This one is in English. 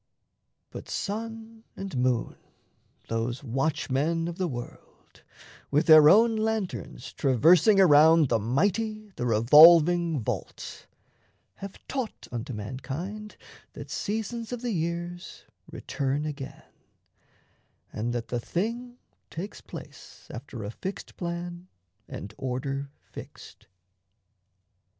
But sun and moon, those watchmen of the world, With their own lanterns traversing around The mighty, the revolving vault, have taught Unto mankind that seasons of the years Return again, and that the Thing takes place After a fixed plan and order fixed.